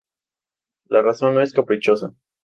La razón no es caprichosa.